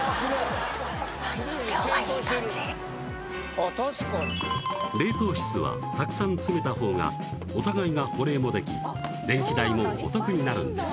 あっ確かに冷凍室はたくさん詰めたほうがお互いが保冷もでき電気代もお得になるんです